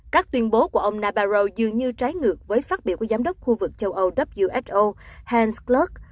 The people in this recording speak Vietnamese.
các tuyên bố của ông nabarro dường như trái ngược với phát biểu của giám đốc khu vực châu âu who hans kluck